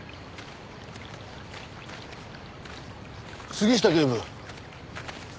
杉下警部。